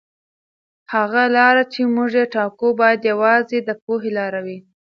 هغه لاره چې موږ یې ټاکو باید یوازې د پوهې لاره وي.